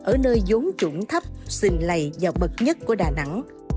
ở nơi dốn trụng thấp xình lầy và bậc nhất của đà nẵng